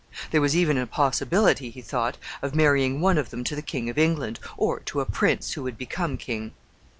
There was even a possibility, he thought, of marrying one of them to the King of England, or to a prince who would become king.